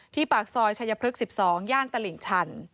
ที่ปากซอยชายภลึก๑๒ญ่านตลิ่งชัน